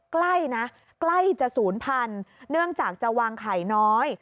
ใกล้นะใกล้จะศูนย์พันธุ์เนื่องจากจะวางไข่น้อย